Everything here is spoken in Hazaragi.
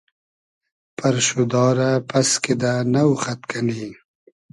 پئرشودا رۂ پئس کیدۂ نۆ خئد کئنی